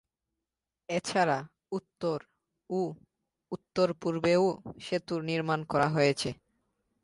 এছাড়া উত্তর ও উত্তর-পূর্বেও সেতু নির্মাণ করা হয়েছে।